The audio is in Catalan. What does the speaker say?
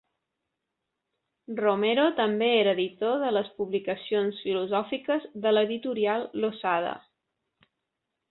Romero també era editor de les publicacions filosòfiques de l'editorial Losada.